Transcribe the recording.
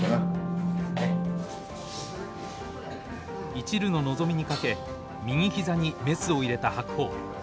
いちるの望みにかけ右膝にメスを入れた白鵬。